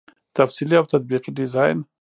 تفصیلي او تطبیقي ډيزاين